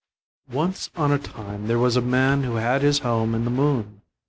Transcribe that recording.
Once on a time there was a man who had his home in the moon.